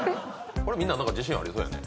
これみんな自信ありそうやね。